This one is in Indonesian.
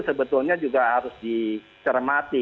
sebetulnya juga harus dicermati